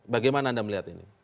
bagaimana anda melihat ini